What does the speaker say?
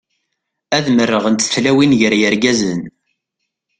Ad merrɣent tlawin gar yirgazen.